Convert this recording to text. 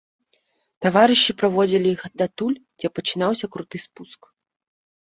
Таварышы праводзілі іх датуль, дзе пачынаўся круты спуск.